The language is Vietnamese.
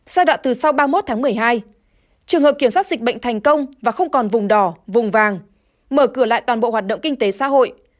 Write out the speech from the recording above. giai đoạn từ sau ba mươi một tháng một mươi hai trường hợp kiểm soát dịch bệnh thành công và không còn vùng đỏ vùng vàng mở cửa lại toàn bộ hoạt động kinh tế xã hội